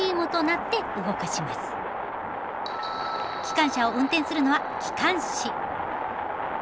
機関車を運転するのは機関士。